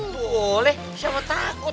boleh siapa takut